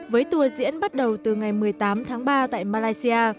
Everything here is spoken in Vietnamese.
với tour diễn bắt đầu từ ngày một mươi tám tháng ba tại malaysia